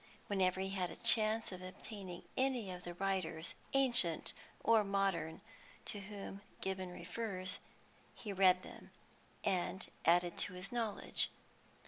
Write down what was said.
Whenever he had a chance of obtaining any of the writers, ancient or modern, to whom Gibbon refers, he read them and added to his knowledge.